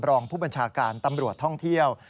รองผู้บัญชาการตำรวจท่องเที่ยว